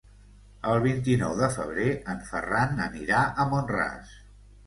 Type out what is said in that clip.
El vint-i-nou de febrer en Ferran anirà a Mont-ras.